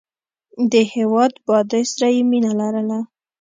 د هېواد بادۍ سره یې مینه لرله.